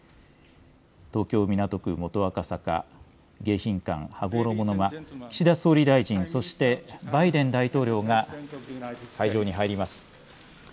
東京・港区元赤坂、迎賓館羽衣の間、岸田総理大臣、そしてバイデン大統領が会場に入ります。